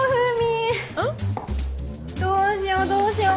どうしようどうしよう。